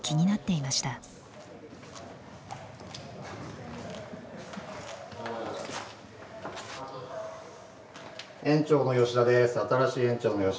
新しい園長の吉田です。